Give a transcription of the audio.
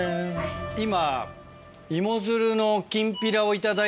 今。